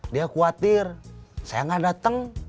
dia khawatir saya nggak dateng